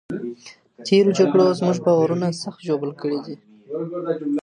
تېرو جګړو زموږ باورونه سخت ژوبل کړي دي.